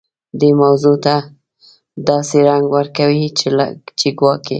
دې موضوع ته داسې رنګ ورکوي چې ګواکې.